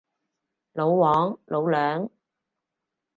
老黃，老梁